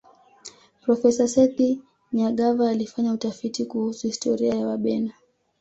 profesa sethi nyagava alifanya utafiti kuhusu historia ya wabena